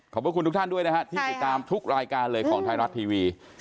ขอบคุณทุกท่านด้วยนะฮะที่ติดตามทุกรายการเลยของไทยรัฐทีวี